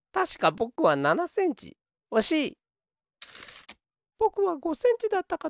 ぼくは５センチだったかと。